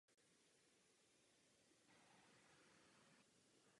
Údajně pocházejí ze židovského hřbitova v Uhříněvsi.